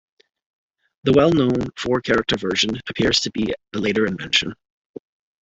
The well-known four-character version appears to be a later invention.